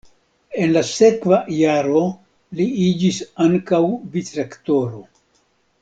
En la sekva jaro li iĝis ankaŭ vicrektoro.